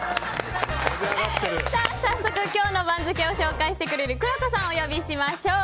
早速、今日の番付を紹介してくれるくろうとさんをお呼びしましょう。